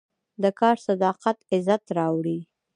د کار صداقت عزت راوړي.